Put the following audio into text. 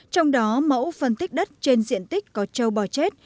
trong đó mẫu phân tích đất trên diện tích có châu bò chết